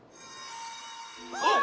あっ！